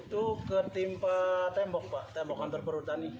itu ketimpa tembok pak tembok kantor perutani